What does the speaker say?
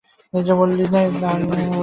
নিজে মরলি নে, ঠাকুরপোকে মরতে পাঠালি!